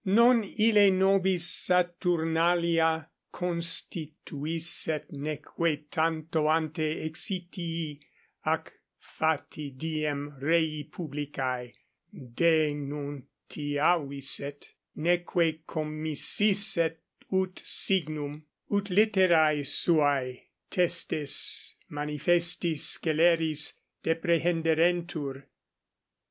Non ille nobis Saturnalia constituisset neque tanto ante exitii ac fati diem rei publicae denuntiavisset, neque commisisset ut signum, ut litterae suae testes manifesti sceleris deprehenderentur.